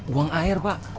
uang air pak